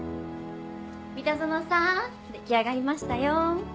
三田園さん出来上がりましたよ。